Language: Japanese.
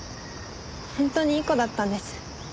本当にいい子だったんです。